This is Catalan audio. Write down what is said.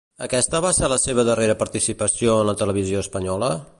Aquesta va ser la seva darrera participació en la televisió espanyola?